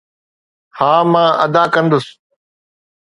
ها، مان ادا ڪندس.